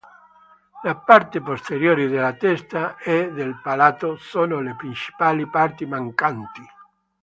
La parte posteriore della testa e del palato sono le principali parti mancanti.